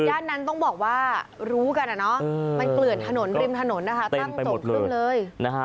ย่านนั้นต้องบอกว่ารู้กันนะเนอะมันเกลือดถนนริมถนนทั้งส่งครึ่งเลย